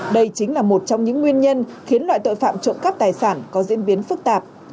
đây chính là một trong những nguyên nhân khiến loại tội phạm trộm cắp tài sản có diễn biến phức tạp